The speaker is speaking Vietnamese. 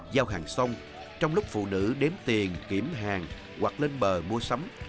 giao hàng xong trong lúc phụ nữ đến tiền kiểm hàng hoặc lên bờ mua sắm